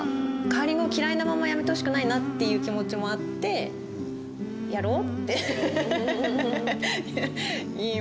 カーリングを嫌いなままやめてほしくないなっていう気持ちもあって「やろう」って言いましたね。